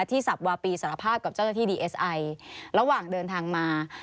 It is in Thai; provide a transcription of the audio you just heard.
สับวาปีสารภาพกับเจ้าหน้าที่ดีเอสไอระหว่างเดินทางมา